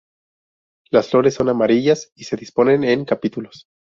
Las flores son amarillas y se disponen en capítulos.